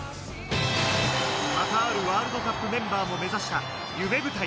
カタールワールドカップメンバーも目指した夢舞台。